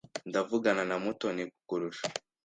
Ndavugana na Mutoni kukurusha.